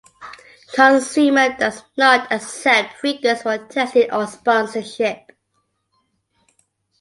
Consumer does not accept free goods for testing or sponsorship.